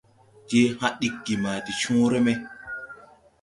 Je haa ɗiggi ma de cõõre me.